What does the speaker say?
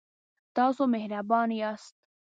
تاسو مهربان یاست